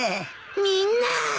みんな。